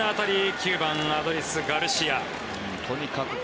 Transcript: ９番、アドリス・ガルシア。